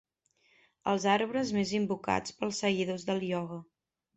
Els arbres més invocats pels seguidors del ioga.